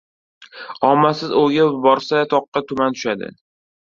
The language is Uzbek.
• Omadsiz ovga borsa toqqa tuman tushadi.